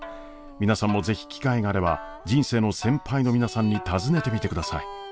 皆さんも是非機会があれば人生の先輩の皆さんに尋ねてみてください。